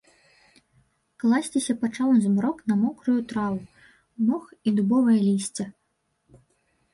Класціся пачаў змрок на мокрую траву, мох і дубовае лісце.